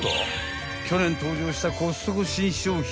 ［去年登場したコストコ新商品］